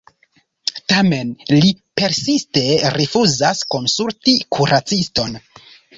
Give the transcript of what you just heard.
Tamen li persiste rifuzas konsulti kuraciston.